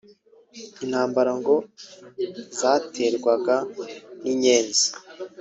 intambara ngo zaterwaga n’Inyenzi